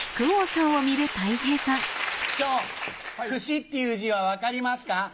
師匠「串」っていう字は分かりますか？